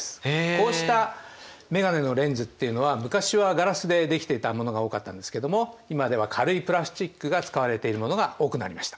こうした眼鏡のレンズっていうのは昔はガラスでできていたものが多かったんですけども今では軽いプラスチックが使われているものが多くなりました。